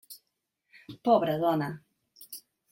Pobra dona!